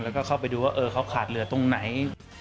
แล้วก็เข้าไปดูว่าเขาขาดเหลือตรงไหน